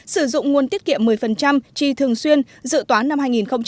sử dụng nguồn tiết kiệm một mươi chi thường xuyên dự toán năm hai nghìn một mươi chín